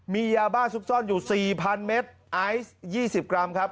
มียาบ้าซุกซ่อนอยู่๔๐๐เมตรไอซ์๒๐กรัมครับ